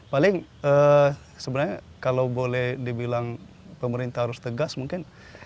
paling sebenarnya kalau boleh dibilang pemerintah harus tegas mungkin